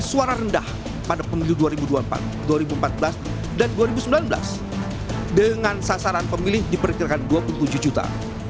suara rendah pada pemilu dua ribu dua puluh empat dua ribu empat belas dan dua ribu sembilan belas dengan sasaran pemilih diperkirakan dua puluh tujuh juta